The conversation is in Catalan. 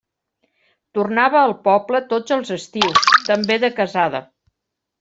Tornava al poble tots els estius, també de casada.